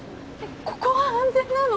ここは安全なの？